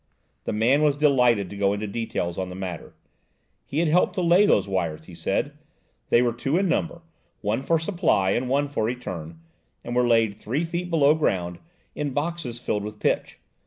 The man was delighted to go into details on the matter. He had helped to lay those wires, he said: they were two in number, one for supply and one for return, and were laid three feet below ground, in boxes filled with pitch.